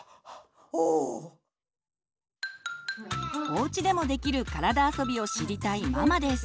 おうちでもできる体あそびを知りたいママです。